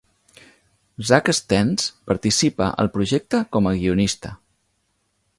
Zack Stentz participa al projecte com a guionista.